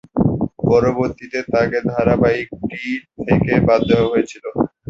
পরবর্তীতে তাকে ধারাবাহিকটি থেকে বাদ দেওয়া হয়েছিল।